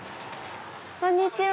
こんにちは。